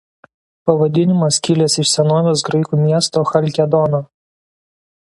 Pavadinimas kilęs iš senovės graikų miesto Chalkedono.